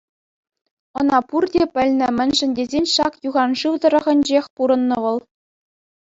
Ӑна пурте пӗлнӗ, мӗншӗн тесен ҫак юхан шыв тӑрӑхӗнчех пурӑннӑ вӑл.